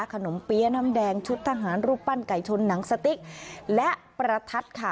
เปี๊ยะน้ำแดงชุดทหารรูปปั้นไก่ชนหนังสติ๊กและประทัดค่ะ